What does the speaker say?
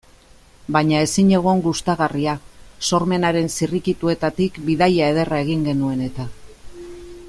Baina ezinegon gustagarria, sormenaren zirrikituetatik bidaia ederra egin genuen eta.